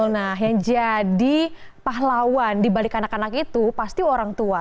nah yang jadi pahlawan dibalik anak anak itu pasti orang tua